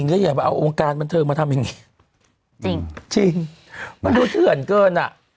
ก็อย่าไปเอาองค์การบันเทิงมาทำอย่างนี้จริงจริงมันดูเถื่อนเกินอ่ะ